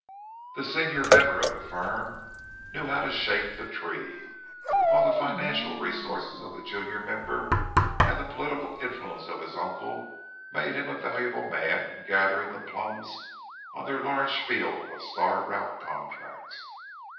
The senior member of the firm knew how to shake the tree, while the financial resources of the junior member and the political influence of his uncle made him a valuable man in gathering the plums on their large field of star route contracts.